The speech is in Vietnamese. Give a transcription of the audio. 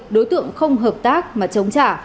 đối tượng không hợp tác mà chống trả